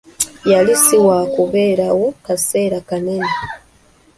Yali si waakubeerawo kaseera kanene.